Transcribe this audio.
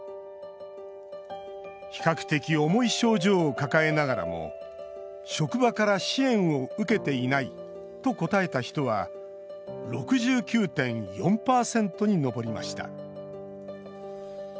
比較的重い症状を抱えながらも職場から「支援を受けていない」と答えた人は６９．４％に上りました。